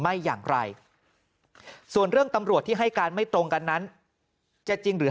ไม่อย่างไรส่วนเรื่องตำรวจที่ให้การไม่ตรงกันนั้นจะจริงหรือ